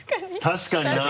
確かにな。